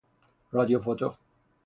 رادیوفوتو